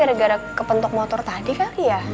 ini mungkin gara gara kepentuk motor tadi kali ya